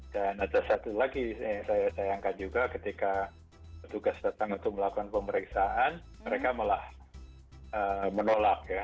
dan ada satu lagi yang saya sayangkan juga ketika petugas datang untuk melakukan pemeriksaan mereka malah menolak ya